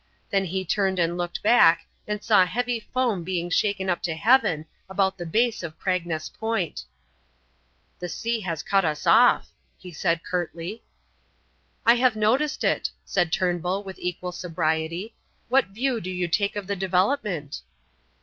Then he turned and looked back and saw heavy foam being shaken up to heaven about the base of Cragness Point. "The sea has cut us off," he said, curtly. "I have noticed it," said Turnbull with equal sobriety. "What view do you take of the development?"